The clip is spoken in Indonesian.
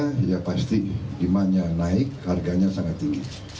harga pasti demandnya naik harganya sangat tinggi